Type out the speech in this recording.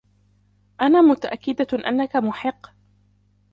أنا متأكدة أنكَ محق.